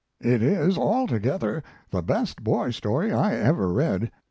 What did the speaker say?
It is altogether the best boy story I ever read.